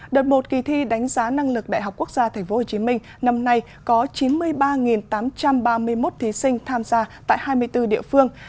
đợt một kỳ thi đánh giá năng lực đại học quốc gia tp hcm năm nay có chín mươi ba tám trăm ba mươi một thí sinh tham gia tại hai mươi bốn địa phương